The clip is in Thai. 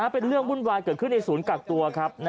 เป็นเรื่องวุ่นวายเกิดขึ้นในศูนย์กักตัวครับ